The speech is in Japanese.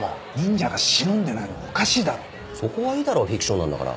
そこはいいだろフィクションなんだから。